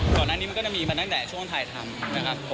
ก่อนหน้านี้มันก็จะมีมาตั้งแต่ช่วงถ่ายทำนะครับ